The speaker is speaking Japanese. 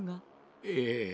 ええ。